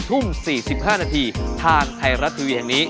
ทุ่ม๔๕นาทีทางไทยรัฐทีวีแห่งนี้